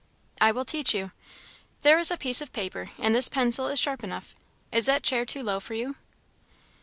"I will teach you. There is a piece of paper, and this pencil is sharp enough. Is that chair too low for you?"